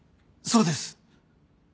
そうです。